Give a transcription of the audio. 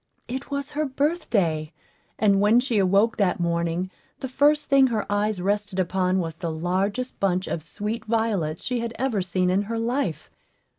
It was her birthday; and when she awoke that morning, the first thing her eyes rested upon was the largest bunch of sweet violets she had ever seen in her life.